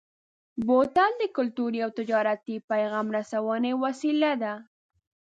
بوتل د کلتوري او تجارتي پیغام رسونې وسیله ده.